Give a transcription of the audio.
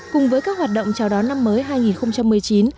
cùng với các hoạt động chào đón năm mới hai nghìn một mươi chín